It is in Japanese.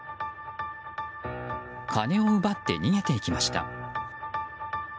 金を奪って逃げていきました。